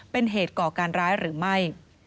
เป็นเหตุก่อการร้ายหรือไม่